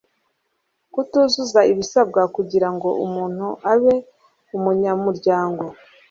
kutuzuza ibisabwa kugira ngo umuntu abe umunyamuryango